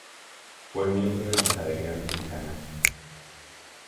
Fue miembro de la Academia Mexicana.